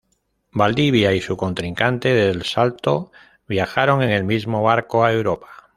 Valdivia y su contrincante, Del Salto, viajaron en el mismo barco a Europa.